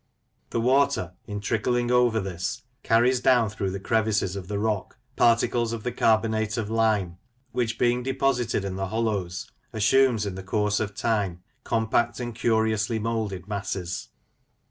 The water, in trickling over this, carries down through the crevices of the rock particles of the carbonate of lime, which being deposited in the hollows, assumes, in the course of time, compact and curiously moulded masses.